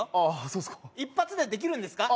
そうっすか一発でできるんですか？